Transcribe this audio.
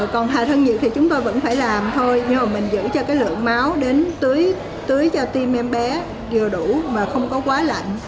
còn hài thân nhiệt thì chúng tôi vẫn phải làm thôi nhưng mà mình giữ cho cái lượng máu đến tưới cho tim em bé vừa đủ mà không có quá lạnh